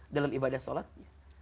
dalam ibadah shalatnya